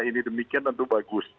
ini demikian tentu bagus